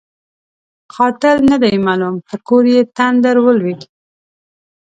قاتل نه دی معلوم؛ په کور یې تندر ولوېد.